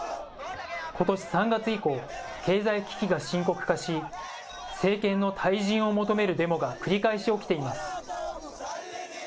ことし３月以降、経済危機が深刻化し、政権の退陣を求めるデモが繰り返し起きています。